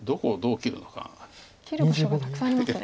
切る場所がたくさんありますね。